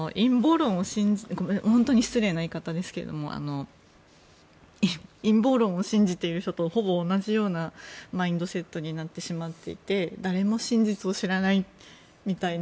本当に失礼な言い方ですけど陰謀論を信じている人とほぼ同じようなマインドセットになってしまっていて誰も真実を知らないみたいな。